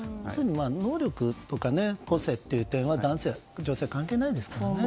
能力とか個性という点では男性、女性は関係ないですから。